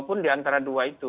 maupun di antara dua itu